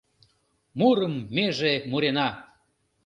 Мурым меже мурена